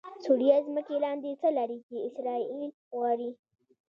سوریه ځمکې لاندې څه لري چې اسرایل غواړي؟😱